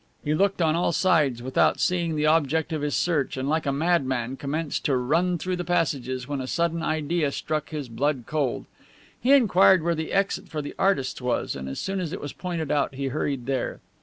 He looked on all sides without seeing the object of his search and like a madman commenced to run through the passages, when a sudden idea struck his blood cold. He inquired where the exit for the artists was and as soon as it was pointed out, he hurried there.